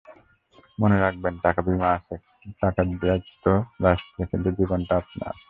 মনে রাখবেন, টাকার বিমা আছে, টাকার দায়িত্ব রাষ্ট্রের, কিন্তু জীবনটা আপনার।